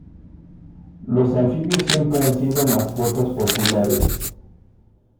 Los anfibios siempre han sido mascotas populares.